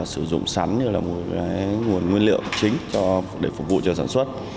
sử dụng sắn như là một nguồn nguyên liệu chính để phục vụ cho sản xuất